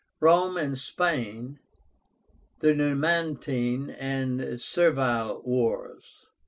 ROME AND SPAIN. THE NUMANTINE AND SERVILE WARS.